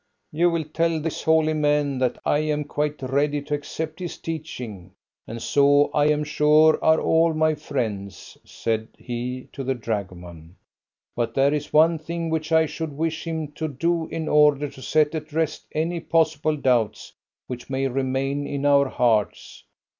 "You will tell this holy man that I am quite ready to accept his teaching, and so I am sure are all my friends," said he to the dragoman. "But there is one thing which I should wish him to do in order to set at rest any possible doubts which may remain in our hearts.